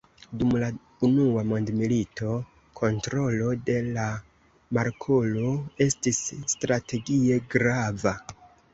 Dum la unua mondmilito, kontrolo de la markolo estis strategie grava.